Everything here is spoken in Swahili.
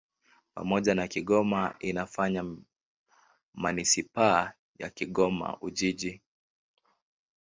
Pamoja na Kigoma inafanya manisipaa ya Kigoma-Ujiji.